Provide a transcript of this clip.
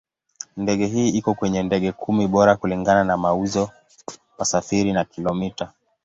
Ndege hii iko kwenye ndege kumi bora kulingana na mauzo, wasafiri na kilomita.